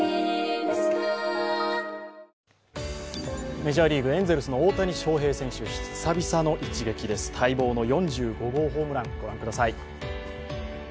メジャーリーグ、エンゼルスの大谷翔平選手久々の一撃です、待望の４５号ホームラン、御覧ください。